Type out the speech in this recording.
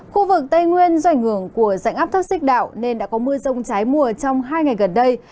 khu vực tây nguyên do ảnh hưởng của dạnh áp thấp xích đạo nên đã có mưa rông trái mùa trong hai ngày gần đây